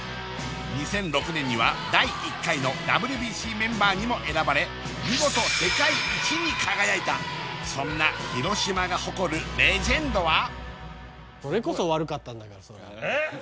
２００６年には第１回のＷＢＣメンバーにも選ばれ見事世界一に輝いたそんな広島が誇るレジェンドはそれこそ悪かったんだからえっ？